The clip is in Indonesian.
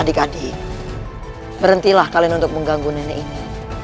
adik adik berhentilah kalian untuk mengganggu nenek ini